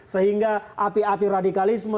sehingga api api radikalisme